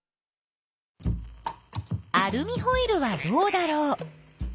アルミホイルはどうだろう。